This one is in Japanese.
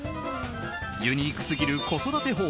ユニークすぎる子育て法。